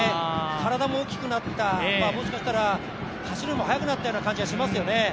体も大きくなった、もしかしたら走るのも速くなったような感じもしますよね。